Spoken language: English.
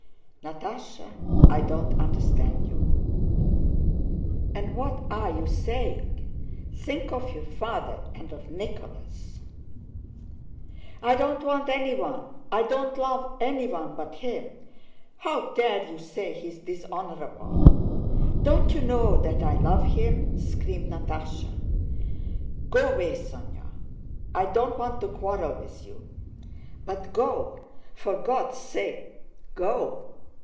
"Natásha, I don't understand you. And what are you saying! Think of your father and of Nicholas." "I don't want anyone, I don't love anyone but him. How dare you say he is dishonorable? Don't you know that I love him?" screamed Natásha. "Go away, Sónya! I don't want to quarrel with you, but go, for God's sake go!